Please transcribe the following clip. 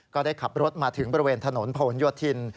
ก็ได้ขับรถมาถึงบริเวณถนนผนโยธิน